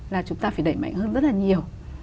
là chúng ta phải đẩy mạnh hơn rất là nhiều